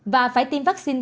và phải tiêm vaccine